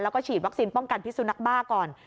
แล้วก็ฉีดวัคซีนป้องกันพิสุนักบ้าก่อน